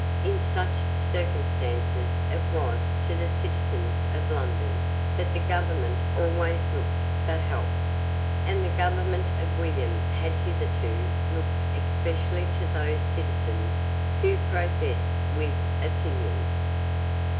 In such circumstances it was to the citizens of London that the government always looked for help; and the government of William had hitherto looked especially to those citizens who professed Whig opinions.